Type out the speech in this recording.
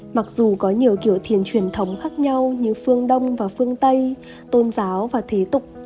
mặc dù có nhiều kiểu thiền truyền thống khác nhau như phương đông và phương tây tôn giáo và thế tục